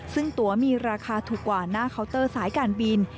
ซึ่งตัวมีราคาถูกกว่าหน้าเคาน์เตอร์สายการบิน